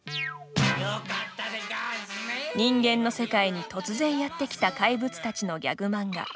人間の世界に突然やってきた怪物たちのギャグ漫画